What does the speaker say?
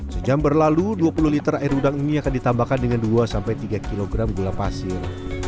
sejam berlalu dua puluh liter air udang ini akan ditambahkan dengan dua tiga kg gula pasir